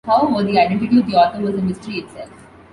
However, the identity of the author was a mystery itself.